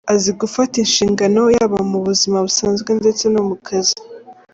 Azi gufata inshingano yaba mu buzima busanzwe ndetse no mu kazi.